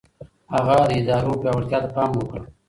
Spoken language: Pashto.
هغه د ادارو پياوړتيا ته پام وکړ.